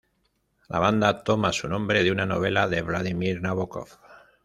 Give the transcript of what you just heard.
La banda toma su nombre de una novela de Vladimir Nabokov.